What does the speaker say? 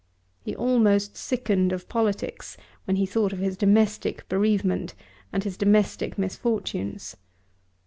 He almost sickened of politics when he thought of his domestic bereavement and his domestic misfortunes.